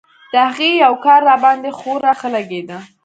د هغې يو کار راباندې خورا ښه لګېده.